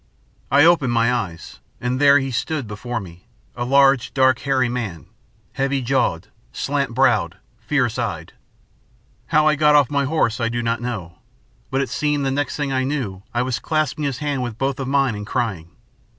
I opened my eyes, and there he stood before me, a large, dark, hairy man, heavy jawed, slant browed, fierce eyed. How I got off my horse I do not know. But it seemed that the next I knew I was clasping his hand with both of mine and crying.